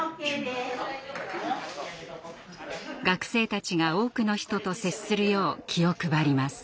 学生たちが多くの人と接するよう気を配ります。